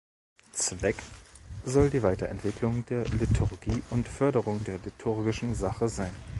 Zweck soll die Weiterentwicklung der Liturgie und Förderung der liturgischen Sache sein.